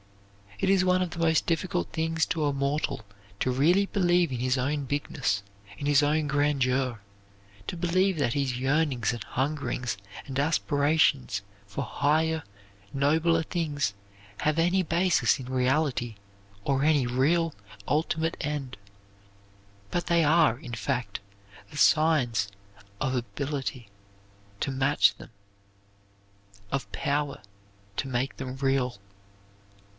It is one of the most difficult things to a mortal to really believe in his own bigness, in his own grandeur; to believe that his yearnings and hungerings and aspirations for higher, nobler things have any basis in reality or any real, ultimate end. But they are, in fact, the signs of ability to match them, of power to make them real.